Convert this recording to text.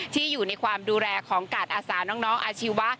ที่อยู่ในความดูแลของการอาสาน้องอาชีวะ